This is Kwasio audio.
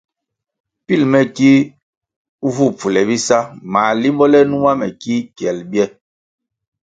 Pil me ki vu pfule bisa mā limbo le numa me ki kyel bye,